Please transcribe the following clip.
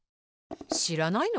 しらないの？